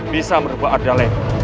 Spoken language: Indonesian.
bisa merubah arda lema